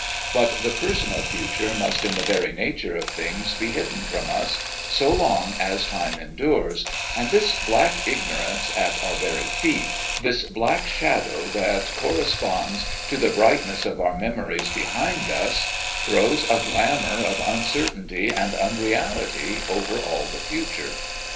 But the personal future must in the very nature of things be hidden from us so long as time endures, and this black ignorance at our very feet this black shadow that corresponds to the brightness of our memories behind us throws a glamor of uncertainty and unreality over all the future.